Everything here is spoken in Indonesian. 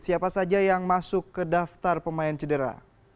siapa saja yang masuk ke daftar pemain cedera